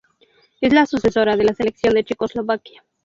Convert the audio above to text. Es la sucesora de la selección de Checoslovaquia.